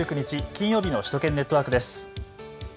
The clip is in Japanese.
金曜日の首都圏ネットワークです。